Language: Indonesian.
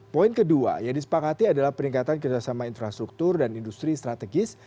poin kedua yang disepakati adalah peningkatan kerjasama infrastruktur dan industri strategis